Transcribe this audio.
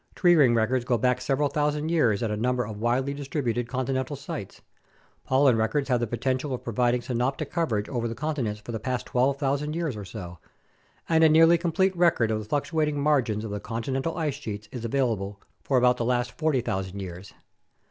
Tree ring records go back several thousand years at a number of widely distributed con tinental sites, pollen records have the potential of providing synoptic coverage over the continents for the past 12,000 years or so, and a nearly complete record of the fluctuating margins of the continental ice sheets is available for about the last 40,000 years.